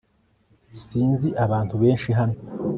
sinzi abantu benshi hano